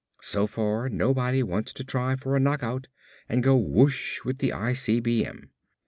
So far nobody wants to try for a knockout and go whoosh with the ICBM.